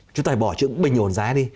chúng ta phải bỏ chữ bình ổn giá đi